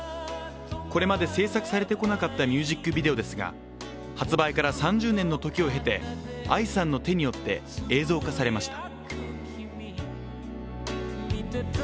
これまで制作されてこなかったミュージックビデオですが、発売から３０年の時を経て藍さんの手によって映像化されました。